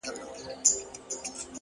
حکمت د سمې کارونې نوم دی.